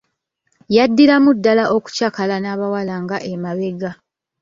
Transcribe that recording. Yaddiramu ddala okucakala n'abawala nga emabega.